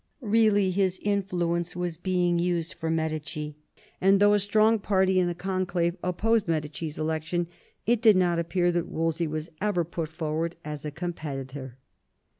Eeallyhis influence was being used for Medici, 100 THOMAS WOLSEY chap, vi and though a strong party in the conclave opposed Medici's election, it does not appear that Wolsey was ever put forward as a competitor.